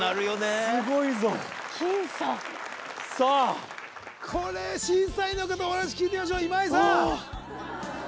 すごいぞ・僅差さあこれ審査員の方お話聞いてみましょう今井さん